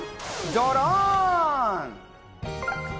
ドローン！